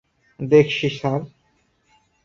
দেখছি, স্যার।